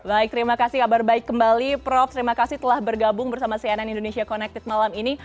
baik terima kasih kabar baik kembali prof terima kasih telah bergabung bersama cnn indonesia connected malam ini